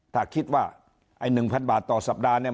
ถ้าคิดว่าไอ้๑๐๐บาทต่อสัปดาห์เนี่ย